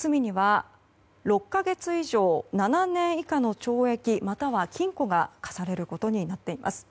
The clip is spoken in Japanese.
この罪には６か月以上７年以下の懲役、または禁錮が科されることになっています。